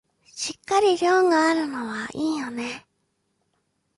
しっかり量があるのはいいよね